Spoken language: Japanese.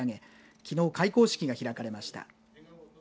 きのう開講式が開かれました。